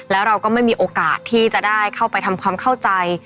แล้วเราก็ไม่มีโอกาสที่จะได้เข้าไปทำความเข้าใจ